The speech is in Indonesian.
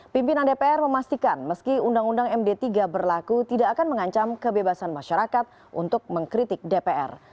pimpinan dpr memastikan meski undang undang md tiga berlaku tidak akan mengancam kebebasan masyarakat untuk mengkritik dpr